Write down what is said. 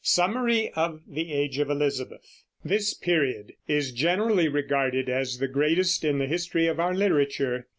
SUMMARY OF THE AGE OF ELIZABETH. This period is generally regarded as the greatest in the history of our literature.